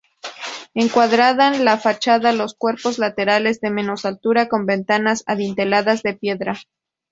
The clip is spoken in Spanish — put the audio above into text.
Encuadran la fachada dos cuerpos laterales, de menos altura, con ventanas adinteladas de piedra.